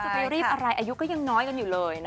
ไปรีบอะไรอายุก็ยังน้อยกันอยู่เลยนะ